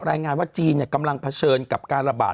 รายงานว่าจีนกำลังเผชิญกับการระบาด